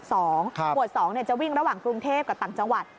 หมวด๒จะวิ่งระหว่างกรุงเทพกับต่างจังหวัด